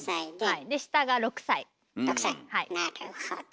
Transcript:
今なるほど。